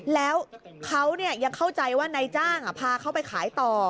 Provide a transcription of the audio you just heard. แล้วเขายังเข้าใจว่านายจ้างพาเขาไปขายต่อ